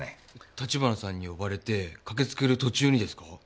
橘さんに呼ばれて駆けつける途中にですか？